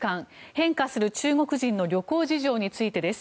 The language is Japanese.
変化する中国人の旅行事情についてです。